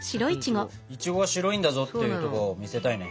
いちごは白いんだぞっていうとこを見せたいね。